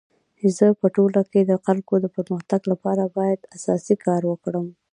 زه په ټولنه کي د خلکو د پرمختګ لپاره باید اساسي کار وکړم.